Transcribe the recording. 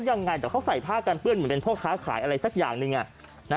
วันนี้เค้าใส่ผ้าเพื่อนเหมือนเป็นพวกข้าวขายอะไรสักอย่างเนี่ย